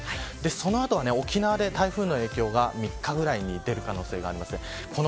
その後、沖縄では台風の影響が３日ぐらいに出る可能性があります。